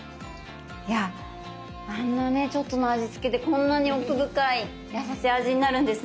いやぁあのちょっとの味付けでこんなに奥深いやさしい味になるんですね。